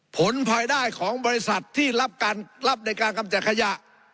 ผลภายได้ของบริษัทที่รับการรับในการกำจัดขยะ